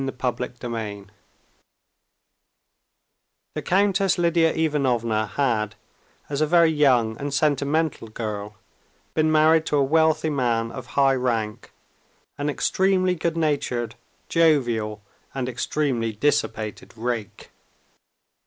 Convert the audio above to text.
Chapter 23 The Countess Lidia Ivanovna had, as a very young and sentimental girl, been married to a wealthy man of high rank, an extremely good natured, jovial, and extremely dissipated rake.